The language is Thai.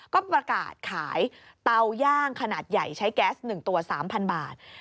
ก็ประกาศขายเตาย่างขนาดใหญ่ใช้แก๊ส๑ตัว๓๐๐บาท